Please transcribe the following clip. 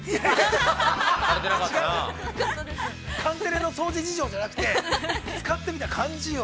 ◆カンテレの掃除事情じゃなくて、使ってみた感じよ。